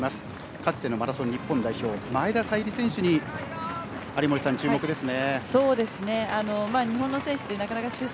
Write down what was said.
かつてのマラソン日本代表前田彩里選手に有森さん、注目ですね。